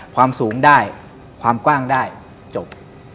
ความสูงได้ความกว้างได้จบ